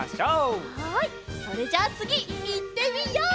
それじゃあつぎいってみよう！